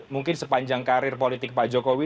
mungkin sepanjang karir politik pak jokowi